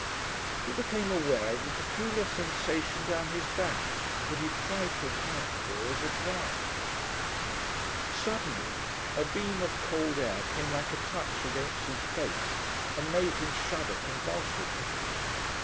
He became aware of a peculiar sensation down his back, that he tried to account for as a draught.... Suddenly a beam of cold air came like a touch against his face, and made him shudder convulsively.